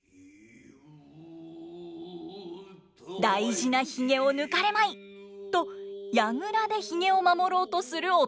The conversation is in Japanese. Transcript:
大事なひげを抜かれまいと櫓でひげを守ろうとする夫。